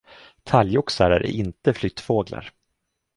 Talgoxar är inte flyttfåglar.